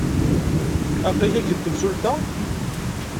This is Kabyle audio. Aql-ik akked temsulta?